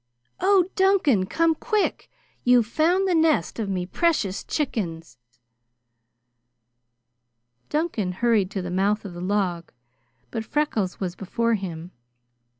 "Oh, Duncan, come quick! You've found the nest of me precious chickens!" Duncan hurried to the mouth of the log, but Freckles was before him.